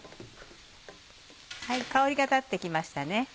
香りが立って来ましたね。